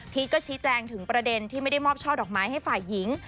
ชี้แจงถึงประเด็นที่ไม่ได้มอบช่อดอกไม้ให้ฝ่ายหญิง